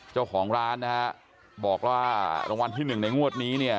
เจ้าของร้านบอกว่ารางวัลที่๑ในงวดนี้